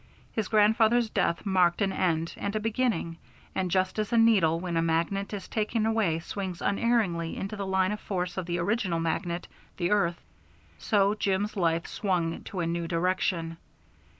His grandfather's death marked an end and a beginning, and just as a needle when a magnet is taken away swings unerringly into the line of force of the original magnet, the earth, so Jim's life swung to a new direction.